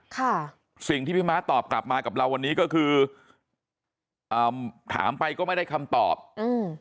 ค่ะสิ่งที่พี่ม้าตอบกลับมากับเราวันนี้ก็คืออ่าถามไปก็ไม่ได้คำตอบอืม